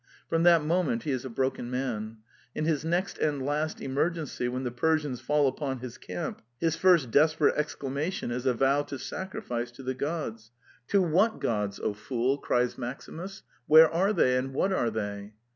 From that moment he is a broken man. In his next and last emergency, when the Persians fall upon his camp, his first desperate exclamation is a vow to sacrifice to the gods. '' To what gods. The Plays 77 oh fool?" cries Maximus. "Where are they; and what are they?